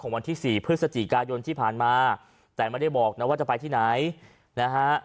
วันที่สี่พฤศจิกายนที่ผ่านมาแต่ไม่ได้บอกนะว่าจะไปที่ไหนนะฮะ